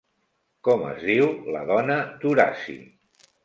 Com es diu la dona d'Horaci?